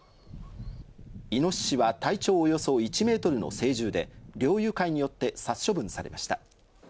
イノシシは体長およそ１メートルの成獣で、猟友会によって殺処分されました。